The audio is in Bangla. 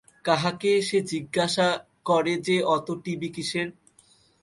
কাহাকে সে জিজ্ঞাসা করে যে অত টিবি কিসের?